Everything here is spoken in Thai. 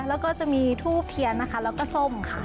แล้วก็จะมีทูบเทียนนะคะแล้วก็ส้มค่ะ